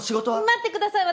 待ってください！